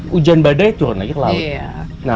hujan badai turun lagi ke laut